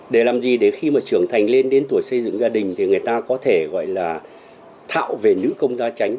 để làm gì để khi mà trưởng thành lên đến tuổi xây dựng gia đình thì người ta có thể gọi là thạo về nữ công gia tránh